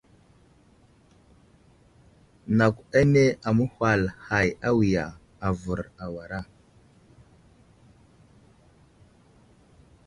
Nakw ane aməhwal hay awiya, avər awara.